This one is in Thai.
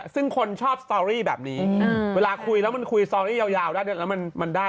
ซึ่งคนชอบสตอรี่แบบนี้เวลาคุยแล้วมันคุยสตอรี่ยาวได้แล้วมันได้